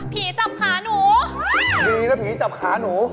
ผีจับขาหนูดีนะผีจับขาหนู